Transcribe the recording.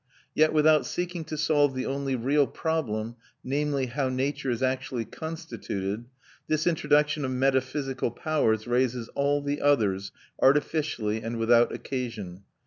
Yet without seeking to solve the only real problem, namely, how nature is actually constituted, this introduction of metaphysical powers raises all the others, artificially and without occasion.